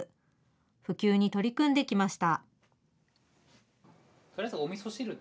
普及に取り組んできました。